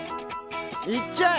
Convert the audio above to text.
いっちゃえ！